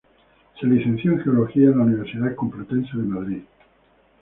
Se licenció en Geología, en la Universidad Complutense de Madrid.